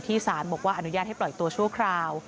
สารบอกว่าอนุญาตให้ปล่อยตัวชั่วคราว